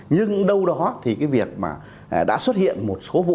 nhưng đâu đó thì cái việc mà đã xuất hiện một